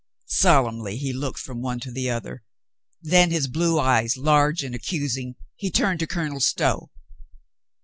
Solemnly he looked from one to the other, then, his blue eyes large and accusing, he turned to Colonel Stow.